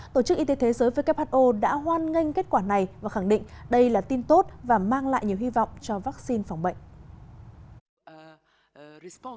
tổ chức y tế thế giới who đã hoan nghênh kết quả này và khẳng định đây là tin tốt và mang lại nhiều hy vọng cho vaccine phòng bệnh